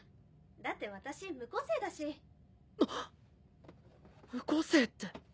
だって私無個性だし・あっ無個性って。